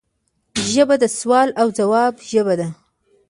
ژبه د سوال او ځواب ژبه ده